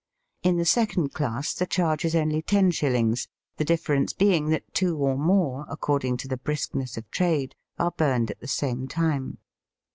In the second class the charge is only ten shillings, the difference being that two or more, according to the briskness of trade, are burned at the same time.